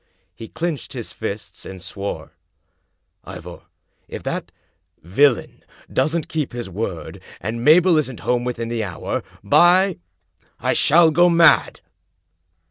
He clinched his fists, and swore: " Ivor, if that villain doesn't keep his word, and Mabel isn't home within the hour, by 1 shall go mad!